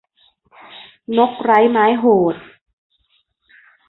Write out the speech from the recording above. นกไร้ไม้โหด